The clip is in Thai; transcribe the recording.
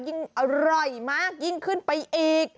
ยิ่งอร่อยมากยิ่งขึ้นไปอีก